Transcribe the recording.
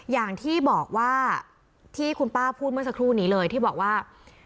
อย่างที่บอกว่าที่คุณป้าพูดเมื่อสักครู่นี้เลยที่บอกว่า